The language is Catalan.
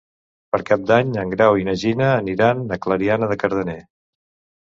Per Cap d'Any en Grau i na Gina aniran a Clariana de Cardener.